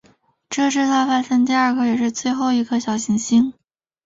这是他发现的第二颗也是最后一颗小行星。